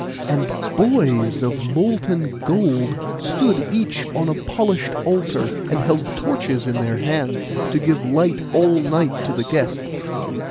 And boys of molten gold stood each on a polished altar, and held torches in their hands, to give light all night to the guests.